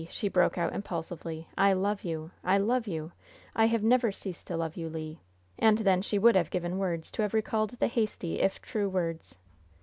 she broke out, impulsively; "I love you I love you I have never ceased to love you, Le!" And then she would have given words to have recalled the hasty, if true, words.